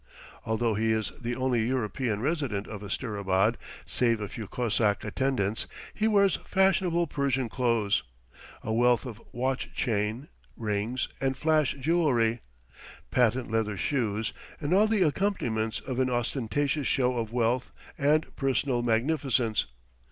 Although he is the only European resident of Asterabad save a few Cossack attendants, he wears fashionable Parisian clothes, a wealth of watch chain, rings, and flash jewellery, patent leather shoes, and all the accompaniments of an ostentatious show of wealth and personal magnificence.